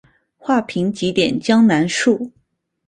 画屏几点江南树。